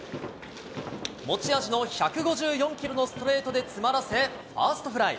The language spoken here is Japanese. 持ち味の１５４キロのストレートで詰まらせ、ファーストフライ。